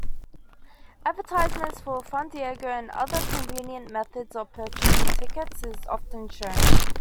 Advertisements for Fandango and other convenient methods of purchasing tickets is often shown.